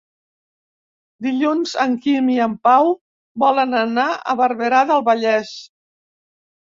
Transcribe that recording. Dilluns en Quim i en Pau volen anar a Barberà del Vallès.